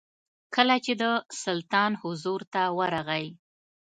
کله چې د سلطان حضور ته ورغی.